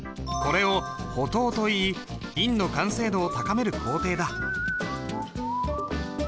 これを補刀といい印の完成度を高める工程だ。